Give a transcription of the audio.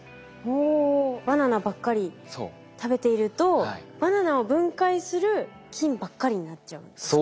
おバナナばっかり食べているとバナナを分解する菌ばっかりになっちゃうんですか？